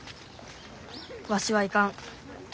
わしは行かん。